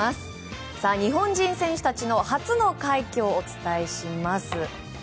日本人選手たちの初の快挙をお伝えします。